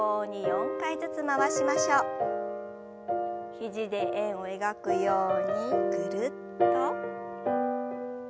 肘で円を描くようにぐるっと。